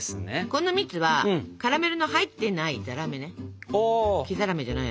この蜜はカラメルの入ってないざらめね。